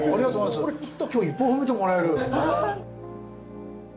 今日いっぱい褒めてもらえる！